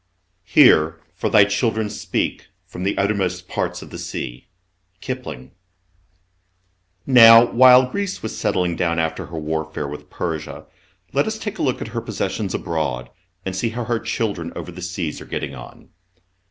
"Hear, for thy children speak, from the uttermost parts of the sea." KIPLING. Now, while Greece was settling down after her warfare with Persia, let us take a glance at her possessions abroad and see how her children over the 3eas are getting on.